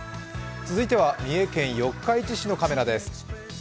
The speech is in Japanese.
続いては三重県四日市市のカメラです。